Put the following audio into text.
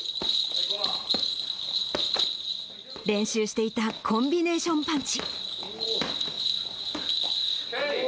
練習していたコンビネーションパンチ。